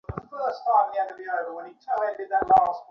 আমরা তাকে চিনতে পারলাম না।